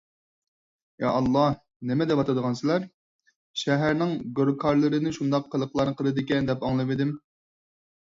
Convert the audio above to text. يا ئاللاھ، نېمە دەۋاتىدىغانسىلەر؟ شەھەرنىڭ گۆركارلىرىنى شۇنداق قىلىقلارنى قىلىدىكەن، دەپ ئاڭلىۋىدىم.